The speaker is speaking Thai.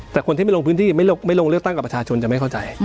แต่คนที่ไม่ลงพื้นที่ไม่ลงเลือกตั้งกับประชาชนจะไม่เข้าใจ